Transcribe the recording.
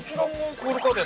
◆クール家電。